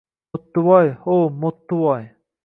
– Mo‘ttivoy! Ho‘, Mo‘ttivoy!